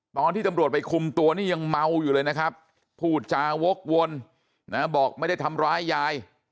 ตอนที่ตำรวจไปคุมตัวนี่ยังเมาอยู่เลยนะครับพูดจาวกวนนะบอกไม่ได้ทำร้ายยาย